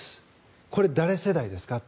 これ、誰世代ですか？